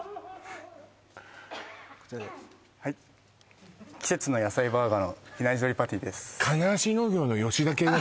こちらではい季節の野菜バーガーの比内地鶏パティです